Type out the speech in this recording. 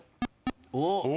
おっ！